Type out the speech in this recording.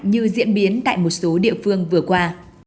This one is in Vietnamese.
như diễn biến tại một số địa phương vừa qua